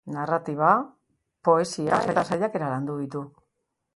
Narratiba, poesia eta saiakera landu ditu.